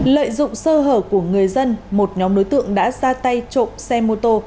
lợi dụng sơ hở của người dân một nhóm đối tượng đã ra tay trộm xe mô tô